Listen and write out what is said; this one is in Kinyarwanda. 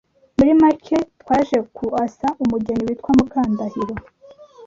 Muri make twaje kuasa umugeni witwa Mukandahiro